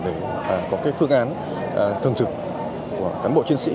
để có phương án thường trực của cán bộ chuyên sĩ